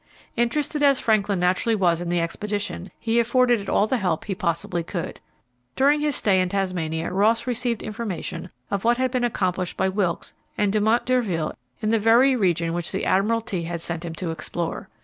Interested as Franklin naturally was in the expedition, he afforded it all the help he possibly could. During his stay in Tasmania Ross received information of what had been accomplished by Wilkes and Dumont d'Urville in the very region which the Admiralty had sent him to explore.